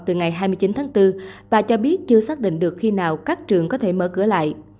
từ ngày hai mươi chín tháng bốn bà cho biết chưa xác định được khi nào các trường có thể mở cửa lại